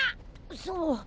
そう。